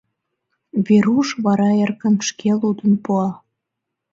Веруш вара эркын шке лудын пуа.